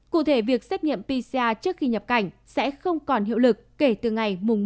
cụ thể việc xét nghiệm pcr trước khi nhập cảnh sẽ không còn hiệu lực kể từ ngày một mươi